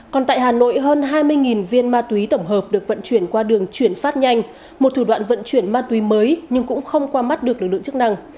còn tại hà nội hơn hai mươi viên ma túy tổng hợp được vận chuyển qua đường chuyển phát nhanh một thủ đoạn vận chuyển ma túy mới nhưng cũng không qua mắt được lực lượng chức năng